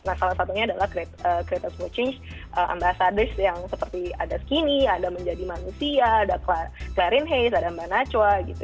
nah salah satunya adalah creators for change ambasadris yang seperti ada skinny ada menjadi manusia ada clarin heist ada mbak nacwa gitu